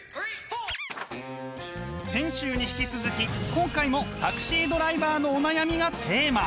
先週に引き続き今回もタクシードライバーのお悩みがテーマ。